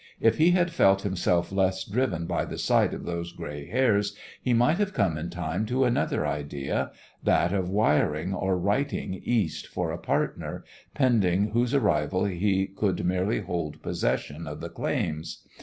If he had felt himself less driven by the sight of those gray hairs, he might have come in time to another idea that of wiring or writing East for a partner, pending whose arrival he could merely hold possession of the claims.